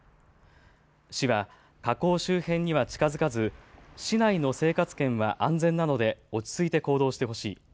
市は火口周辺には近づかず、市内の生活圏は安全なので落ち着いて行動してほしい。